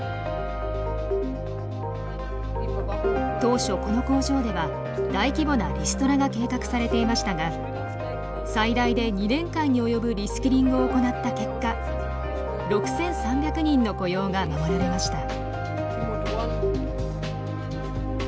当初この工場では大規模なリストラが計画されていましたが最大で２年間に及ぶリスキリングを行った結果６，３００人の雇用が守られました。